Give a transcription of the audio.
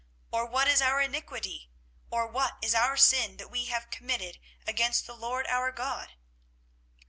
or what is our iniquity? or what is our sin that we have committed against the LORD our God?